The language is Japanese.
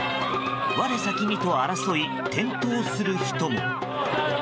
我先にと争い、転倒する人も。